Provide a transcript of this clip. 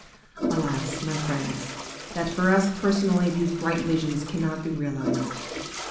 "Alas! my friends, that for us, personally, these bright visions cannot be realized!